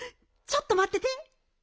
ちょっとまってて。